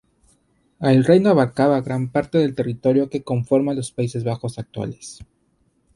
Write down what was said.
El reino abarcaba gran parte del territorio que conforma los Países Bajos actuales.